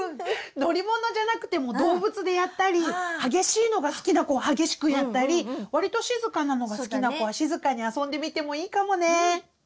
乗り物じゃなくても動物でやったり激しいのが好きな子は激しくやったりわりと静かなのが好きな子は静かに遊んでみてもいいかもね！